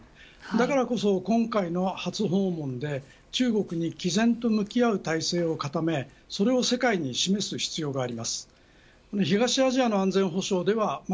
だからこそ今回の初訪問で中国にき然と向き合う体制を固めそれを世界に示す必要があります。